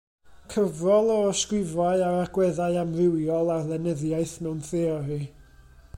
Cyfrol o ysgrifau ar agweddau amrywiol ar lenyddiaeth mewn theori.